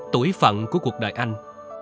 tuổi phận của cuộc đời anh